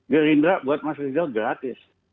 gerindra buat mas rizal gratis